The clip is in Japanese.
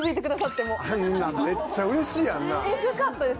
エグかったです。